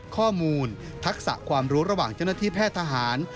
ทักษะความรู้ระหว่างเจ้าหน้าที่แพทย์ทหาร